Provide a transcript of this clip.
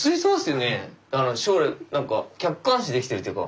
将来何か客観視できてるっていうか。